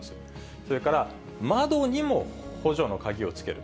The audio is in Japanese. それから窓にも補助の鍵をつける。